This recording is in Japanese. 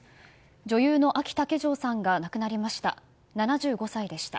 女優のあき竹城さんが亡くなりました。